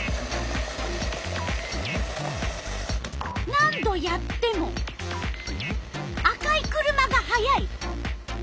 何度やっても赤い車が速い！